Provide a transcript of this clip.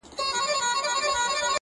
ډېر پخوا په ډېرو لیري زمانو کي؛